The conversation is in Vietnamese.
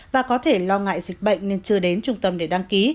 và có thể lo ngại dịch bệnh nên chưa đến trung tâm để đăng ký